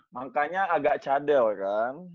makanya agak cadel kan